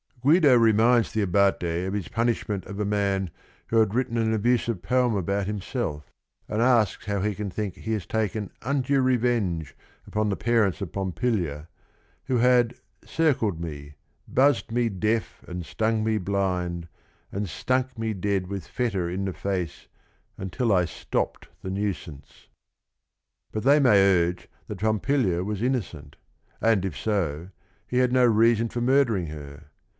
" GUIDO 181 Guido reminds the Abate of his punishment of a man who had written an abusive poem about himself, and asks how he can think he has taken undue revenge upon the parents of Pompilia who had "Circled me, buzzed me deaf and stung me blind, And stunk me dead with fetor in the face Until I stopped the nuisance." But they may urge that Pompilia was innocent, and if so, he had no reason for murdering her.